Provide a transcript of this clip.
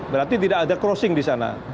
berarti tidak ada crossing di sana